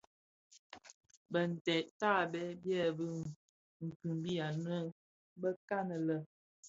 Bintèd tabèè byèbi kimbi anë bekan lè.